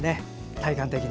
体感的に。